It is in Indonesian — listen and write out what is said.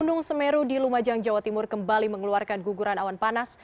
gunung semeru di lumajang jawa timur kembali mengeluarkan guguran awan panas